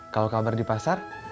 kalo kabar di pasar